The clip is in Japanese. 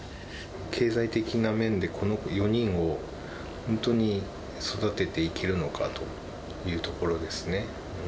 経済的な面で、この４人を本当に育てていけるのかというところですね。